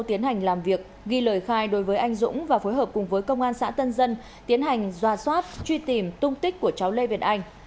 tiến hành làm việc ghi lời khai đối với anh dũng và phối hợp cùng với công an xã tân dân tiến hành doa soát truy tìm tung tích của cháu lê việt anh